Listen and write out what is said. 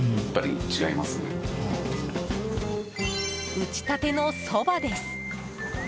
打ち立てのそばです。